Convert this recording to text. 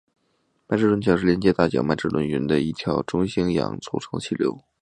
麦哲伦桥是连接大小麦哲伦云的一条由中性氢组成的气流。